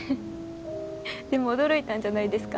でも驚いたんじゃないですか？